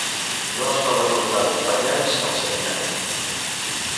No es poden portar acompanyants al seminari.